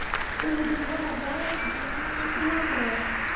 It will become a wide, wide river.